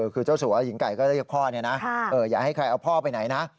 คือเจ้าสัวหญิงไก่ก็เรียกพ่อเนี่ยนะอย่าให้ใครเอาพ่อไปไหนนะ